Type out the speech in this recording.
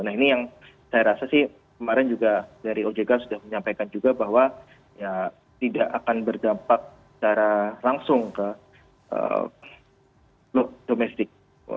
nah ini yang saya rasa sih kemarin juga dari ojk sudah menyampaikan juga bahwa ya tidak akan berdampak secara langsung ke blok domestik